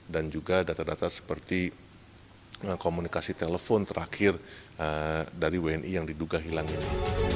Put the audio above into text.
dan juga data data seperti komunikasi telepon terakhir dari wni yang diduga hilang ini